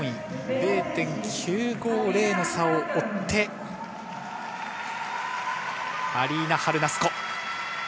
０．９５０の差を追って、アリーナ・ハルナスコ。